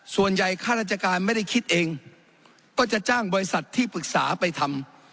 ค่าราชการไม่ได้คิดเองก็จะจ้างบริษัทที่ปรึกษาไปทำ